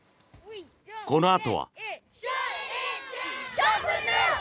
このあとは。